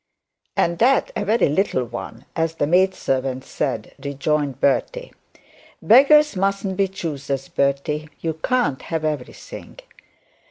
'And that a very little one, as the maid servant said,' rejoined Bertie. 'Beggars mustn't be choosers, Bertie; you can't have everything.'